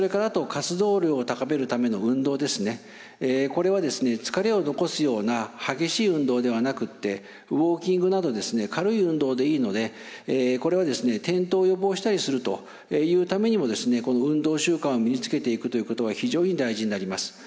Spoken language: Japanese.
これは疲れを残すような激しい運動ではなくてウォーキングなど軽い運動でいいのでこれは転倒を予防したりするというためにも運動習慣を身につけていくということが非常に大事になります。